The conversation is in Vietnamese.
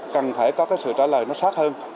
cần phải có cái sự trả lời nó sát hơn